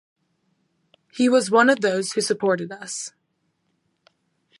He was one of those who supported us.